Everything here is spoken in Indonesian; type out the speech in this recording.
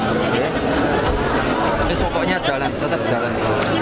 tapi pokoknya tetap jalan